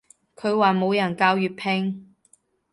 佢話冇人教粵拼